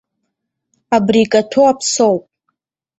Абри икаҭәо аԥсоуп.